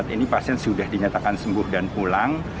saat ini pasien sudah dinyatakan sembuh dan pulang